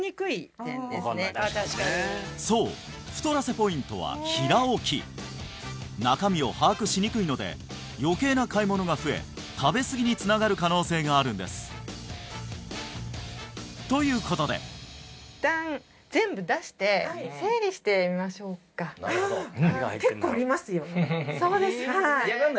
そう太らせポイントは平置き中身を把握しにくいので余計な買い物が増え食べすぎにつながる可能性があるんですということでそうですよね